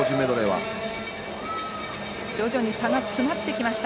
徐々に差が詰まってきました。